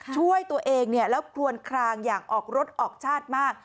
ช่วยตัวเองแล้วคลวนคลางอย่างออกรถออกชาติมาก